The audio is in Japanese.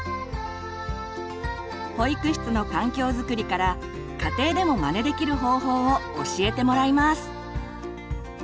保育室の環境づくりから家庭でもまねできる方法を教えてもらいます。